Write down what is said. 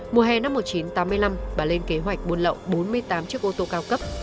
mùa hè năm một nghìn chín trăm tám mươi năm bà lên kế hoạch buôn lậu bốn mươi tám chiếc ô tô cao cấp